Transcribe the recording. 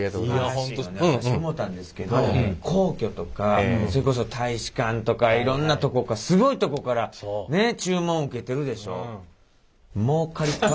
私思うたんですけど皇居とかそれこそ大使館とかいろんなすごいとこからね注文受けてるでしょう？